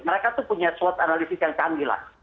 mereka tuh punya slot analisis yang kandilan